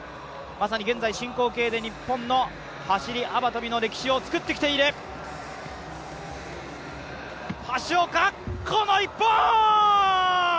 まさに現在進行形で、日本の走幅跳の歴史を作ってきている橋岡、この１本。